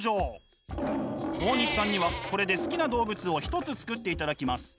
大西さんにはこれで好きな動物を１つ作っていただきます。